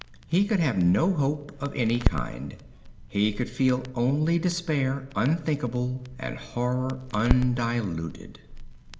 He could have no hope of any kind. He could feel only despair unthinkable and horror undiluted.